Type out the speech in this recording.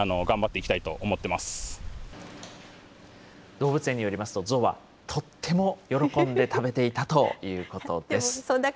動物園によりますと、ゾウはとっても喜んで食べていたということです。